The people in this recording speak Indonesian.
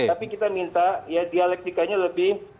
tapi kita minta ya dialektikanya lebih